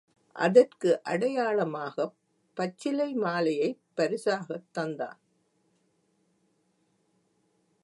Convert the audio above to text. அதற்கு அடையாளமாகப் பச்சிலை மாலையைப் பரிசாகத் தந்தான்.